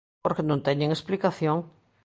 Porque non teñen explicación.